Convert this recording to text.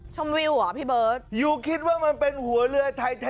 วิวเหรอพี่เบิร์ตยูคิดว่ามันเป็นหัวเรือไทยแท้